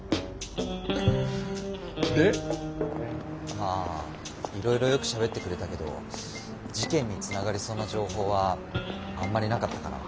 まあいろいろよくしゃべってくれたけど事件につながりそうな情報はあんまりなかったかな。